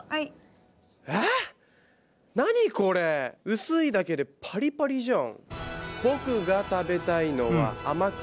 薄いだけでパリパリじゃん！